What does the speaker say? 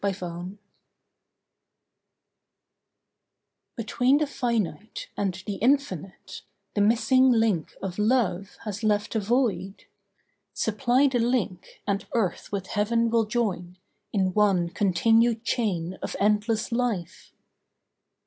THE WAY Between the finite and the infinite The missing link of Love has left a void. Supply the link, and earth with Heaven will join In one continued chain of endless life.